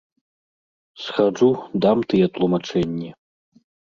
Схаджу, дам тыя тлумачэнні.